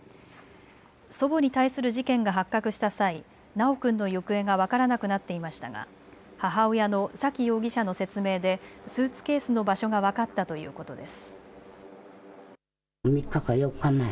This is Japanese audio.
祖母に対する事件が発覚した際、修君の行方が分からなくなっていましたが母親の沙喜容疑者の説明でスーツケースの場所が分かったということです。